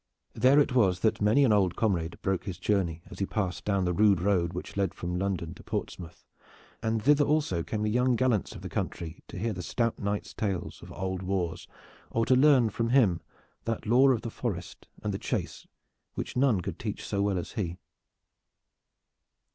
There it was that many an old comrade broke his journey as he passed down the rude road which led from London to Portsmouth, and thither also came the young gallants of the country to hear the stout knight's tales of old wars, or to learn, from him that lore of the forest and the chase which none could teach so well as he.